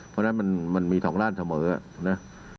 เพราะฉะนั้นมันมี๒ร่านเสมอนะ